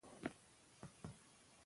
ملالۍ کله شهیده سوه؟